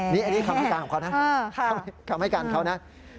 นี่อันนี้คำให้กันเขานะ